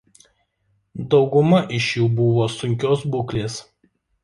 Dauguma iš jų buvo sunkios būklės.